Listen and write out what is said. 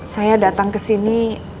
saya datang ke sini